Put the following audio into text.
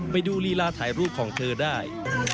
ไปดูลีลาถ่ายรูปของเธอได้